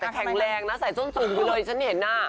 แต่แข็งแรงนะใส่ส้มดูเลยฉันเห็นหน้า